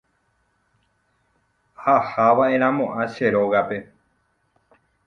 Ahava'erãmo'ã che rógape